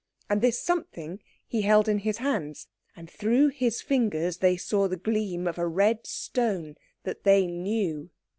And this something he held in his hands. And through his fingers they saw the gleam of a red stone that they knew.